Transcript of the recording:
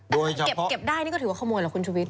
โดยเฉพาะแต่เก็บได้นี่ก็ถือว่าเขาโมนหรอคุณชุวิต